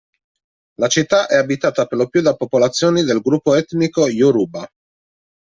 La città è abitata per lo più da popolazioni del gruppo etnico Yoruba.